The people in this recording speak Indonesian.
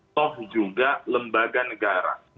toh juga lembaga negara